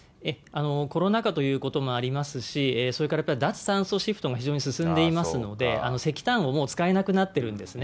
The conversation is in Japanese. コロナ禍ということもありますし、それからやっぱり脱炭素シフトも非常に進んでいますので、石炭をもう使えなくなっているんですね。